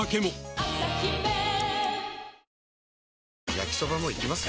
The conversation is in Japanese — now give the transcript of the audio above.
焼きソバもいきます？